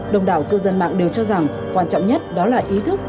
đồng đảo cư dân mạng đều cho rằng quan trọng nhất đó là ý thức